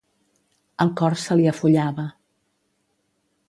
El cor se li afollava.